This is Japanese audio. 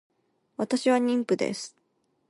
私は妊婦です